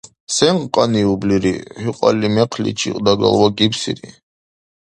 Сен кьаниублири? ХӀу кьалли мекъличи дагал вакӀибсири?